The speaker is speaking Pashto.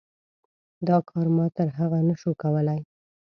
دا کار ما تر هغه نه شو کولی.